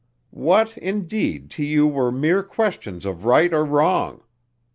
"What, indeed, to you were mere questions of right or wrong?